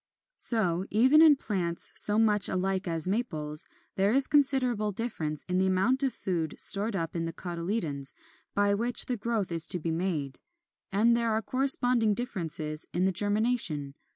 ] 23. So, even in plants so much alike as Maples, there is considerable difference in the amount of food stored up in the cotyledons by which the growth is to be made; and there are corresponding differences in the germination.